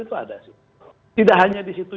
itu ada tidak hanya disitu